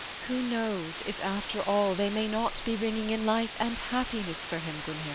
] Who knows if, after all, they may not be ringing in life and happiness for him, Gunhild. MRS.